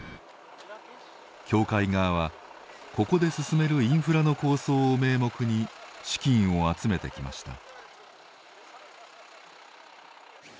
教会側は、ここで進めるインフラの構想を名目に資金を集めてきました。